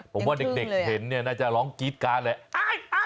ผมว่าเด็กเด็กเห็นน่าจะล้องกรี๊ดกาลแล้ว